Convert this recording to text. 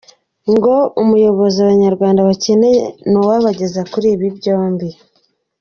Ngo umuyobozi Abanyarwanda bakeneye ni uwabageza kuri ibi byombi.